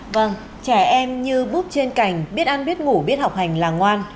vâng trẻ em như búp trên cành biết ăn biết ngủ biết học hành là ngoan